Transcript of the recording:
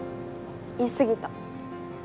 言い過ぎた。